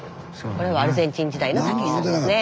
これはアルゼンチン時代の毅志さんですね。